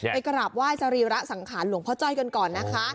กราบไหว้สรีระสังขารหลวงพ่อจ้อยกันก่อนนะคะ